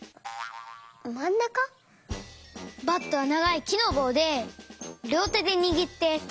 バットはながいきのぼうでりょうてでにぎってたかくかまえます。